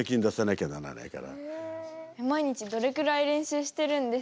毎日どれくらい練習してるんですか？